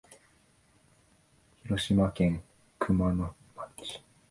広島県熊野町